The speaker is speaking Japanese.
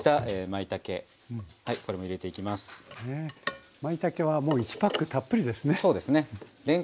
まいたけはもう１パックたっぷりですね。